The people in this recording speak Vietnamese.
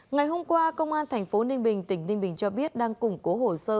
ngày hôm qua công an tp ninh bình tỉnh ninh bình cho biết đang củng cố hồ sơ